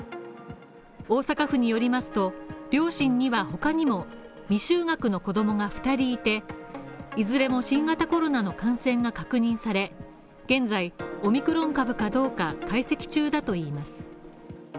大阪府によりますと、両親には他にも、未就学の子供が２人いていずれも新型コロナの感染が確認され、現在、オミクロン株かどうか解析中だといいます。